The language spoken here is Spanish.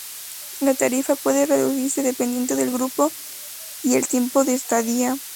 La tarifa puede reducirse dependiendo del grupo y el tiempo de estadía.